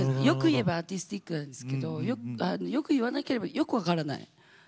良く言えばアーティスティックなんですけど良く言わなければよく分からない。